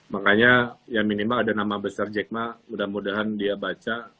makanya ya minimal ada nama besar jack ma mudah mudahan dia baca